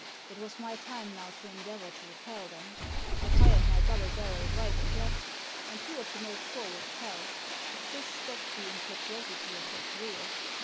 It was my time now to endeavour to repel them. I fired my double barrel right and left, and two of the most forward fell ; this stopped the impetuosity of their career.